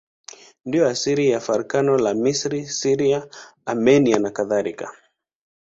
Ndiyo asili ya farakano la Misri, Syria, Armenia nakadhalika.